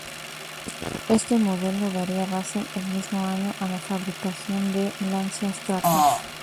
Este modelo daría base el mismo año a la fabricación del Lancia Stratos.